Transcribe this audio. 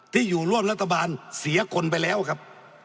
ที่อยู่ร่วมรัฐบาลเสียคนไปแล้วครับ